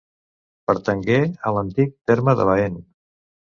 Pertangué a l'antic terme de Baén.